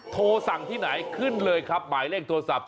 โทรสั่งที่ไหนขึ้นเลยครับหมายเลขโทรศัพท์